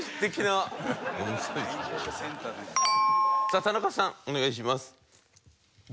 さあ田中さんお願いします。